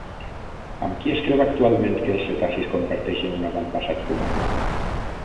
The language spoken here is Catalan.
Amb qui es creu actualment que els cetacis comparteixen un avantpassat comú?